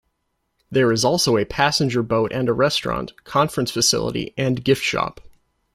There is also a passenger boat and a restaurant, conference facility and gift shop.